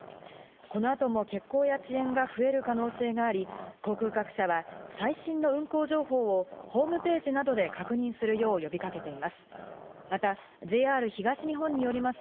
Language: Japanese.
この後も欠航や遅延が増える可能性があり、航空各社は最新の運航情報をホームページなどで確認するよう呼びかけています。